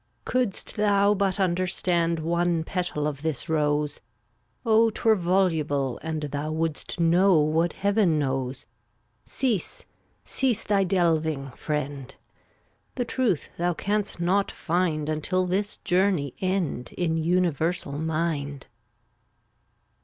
328 Couldst thou but understand One petal of this rose, Oh 'twere voluble, and Thou wouldst know what Heaven know Cease, cease thy delving, friend, The Truth thou canst not find Until this journey end In Universal Mind.